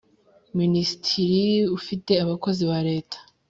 minisitiri ufite abakozi ba leta